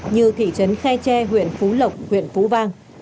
như thị trấn khe tre huyện phú lộc huyện phú vang